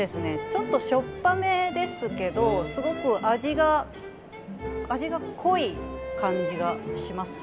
ちょっとしょっぱめですけどすごく味が味が濃い感じがします。